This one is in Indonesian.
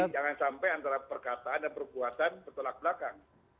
jadi jangan sampai antara perkataan dan perpuasan bertolak belakang